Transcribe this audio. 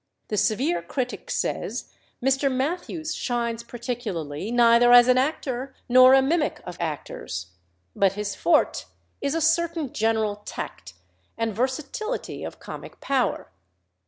The severe critic says, "Mr. Mathews shines particularly neither as an actor nor a mimic of actors; but his forte is a certain general tact and versatility of comic power.